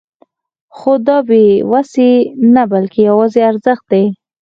خو دا بې وسي نه بلکې يو ارزښت دی.